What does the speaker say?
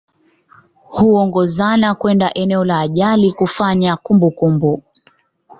Huongozana kwenda eneo la ajali kufanya kumbukumbu